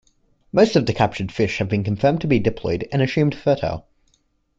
Most of the captured fish have been confirmed to be diploid and assumed fertile.